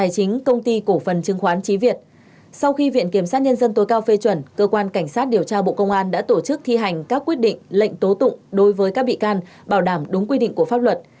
cơ quan cảnh sát điều tra bộ công an đã tổ chức thi hành các quyết định lệnh tố tụng đối với các bị can bảo đảm đúng quy định của pháp luật